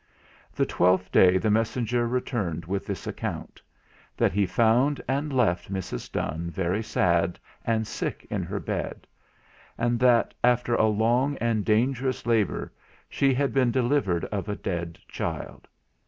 The twelfth day the messenger returned with this account: That he found and left Mrs. Donne very sad and sick in her bed; and that, after a long and dangerous labour, she had been delivered of a dead child.